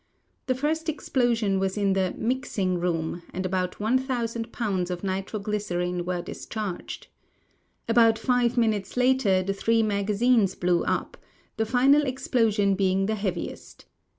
The first explosion was in the " mixing room," and about 1,000 pounds of nitro glycerine were discharged. About five minutes later the three magazines blew up, the final ex])losion being the heaviest.